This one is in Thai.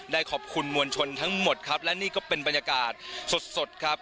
ขอบคุณมวลชนทั้งหมดครับและนี่ก็เป็นบรรยากาศสดสดครับ